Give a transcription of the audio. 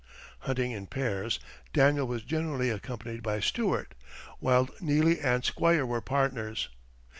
Hunting in pairs, Daniel was generally accompanied by Stuart, while Neely and Squire were partners.